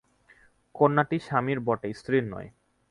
কন্যাটি স্বামীর বটে, স্ত্রীর নয়।